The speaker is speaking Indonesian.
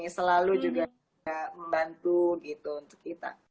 selalu juga membantu gitu untuk kita